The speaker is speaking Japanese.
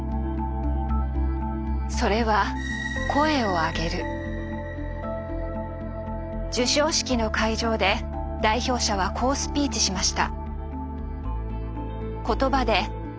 それは受賞式の会場で代表者はこうスピーチしました。